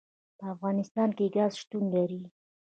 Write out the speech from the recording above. په افغانستان کې ګاز شتون لري.